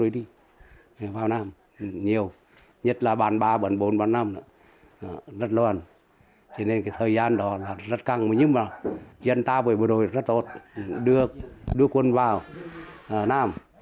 dân ta với bộ đội rất tốt đưa quân vào nam